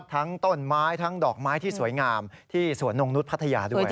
ทั้งต้นไม้ทั้งดอกไม้ที่สวยงามที่สวนนงนุษย์พัทยาด้วย